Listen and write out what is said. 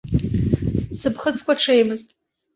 Сыԥхыӡқәа ҽеимызт.